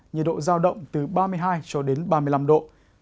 nhiệt độ rao động từ ba mươi hai ba mươi năm độ